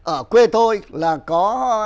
ở quê tôi là có